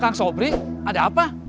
kang sobri ada apa